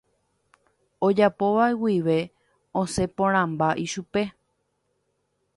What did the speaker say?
Ojapóva guive osẽporãmba ichupe.